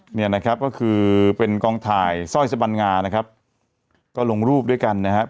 เห็นไหมก็คือเป็นกองถ่ายซ่อยสบัญงานะครับก็ลงรูปด้วยกันนะครับ